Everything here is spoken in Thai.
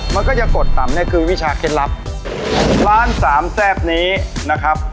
มันก็จะกดต่ำเนี่ยคือวิชาเคล็ดลับร้านสามแซ่บนี้นะครับ